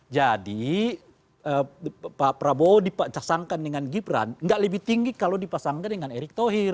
jadi pak prabowo dipasangkan dengan gibran gak lebih tinggi kalau dipasangkan dengan erik thohir